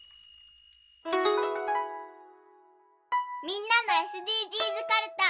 みんなのＳＤＧｓかるた。